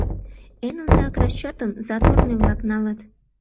— Эн ондак расчётым заторный-влак налыт!